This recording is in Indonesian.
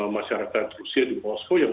masyarakat rusia di moskow yang